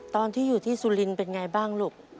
ตอนที่อยู่ที่สุรินทร์เป็นไงบ้างลูก